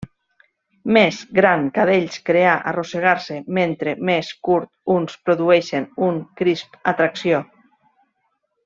Més gran cadells crear arrossegar-se mentre més curt uns produeixen un crisp atracció.